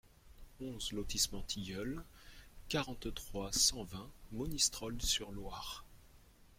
onze lotissement Tilleuls, quarante-trois, cent vingt, Monistrol-sur-Loire